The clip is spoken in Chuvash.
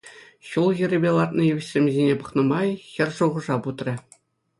Ҫул хӗррипе лартнӑ йывӑҫсем ҫине пӑхнӑ май хӗр шухӑша путрӗ.